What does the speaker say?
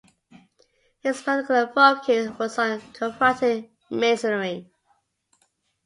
His particular focus was on confronting masonry.